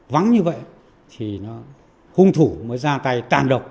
vắng như vậy thì nó hung thủ mới ra tay càn độc